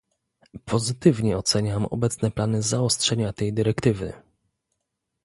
Pozytywnie oceniam obecne plany zaostrzenia tej dyrektywy